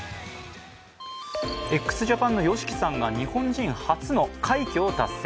ＸＪＡＰＡＮのＹＯＳＨＩＫＩさんが日本人初の快挙を達成。